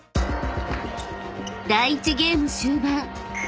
［第１ゲーム終盤］